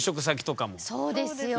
そうですよ。